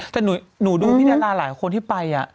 แต่หนูดูพี่ดาราหลายคนที่ไป